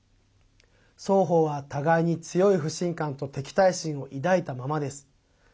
双方は互いに強い不信感と敵対心を抱いたままです。